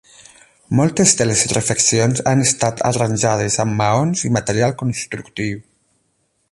Moltes de les refeccions han estat arranjades amb maons i material constructiu.